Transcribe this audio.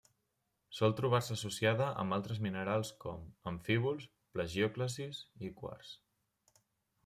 Sol trobar-se associada amb altres minerals com: amfíbols, plagiòclasis i quars.